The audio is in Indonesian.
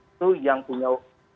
itu yang punya